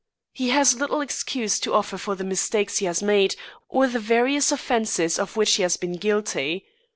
He has little excuse to offer for the mistakes he has made, or the various offences of which he has been guilty.